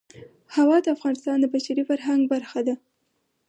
هوا د افغانستان د بشري فرهنګ برخه ده.